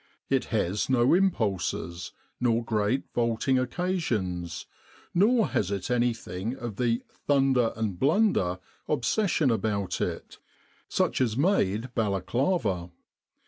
It has no impulses, nor great vaulting occasions, nor has it anything of the 1 'thunder and blunder" obsession about it, such as 55 With the R.A.M.C. in Egypt made Balaclava.